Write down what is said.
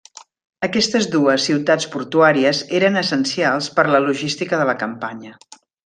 Aquestes dues ciutats portuàries eren essencials per la logística de la campanya.